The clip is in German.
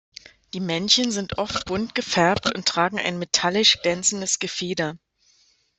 Die Männchen sind oft bunt gefärbt und tragen ein metallisch glänzendes Gefieder.